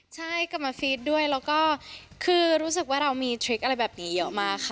ใช่กลับมาฟีดด้วยแล้วก็คือรู้สึกว่าเรามีทริคอะไรแบบนี้เยอะมากค่ะ